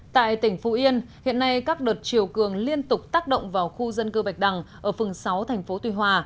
tại tỉnh phú yên hiện nay các đợt chiều cường liên tục tác động vào khu dân cư bạch đằng ở phường sáu thành phố tuy hòa